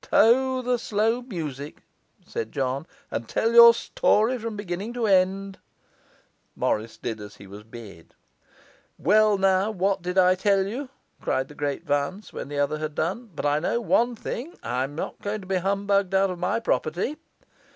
'Stow the slow music,' said John, 'and tell your story from beginning to end.' Morris did as he was bid. 'Well, now, what did I tell you?' cried the Great Vance, when the other had done. 'But I know one thing: I'm not going to be humbugged out of my property.